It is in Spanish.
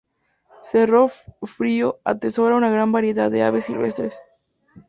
Cerro Frío atesora una gran variedad de aves silvestres.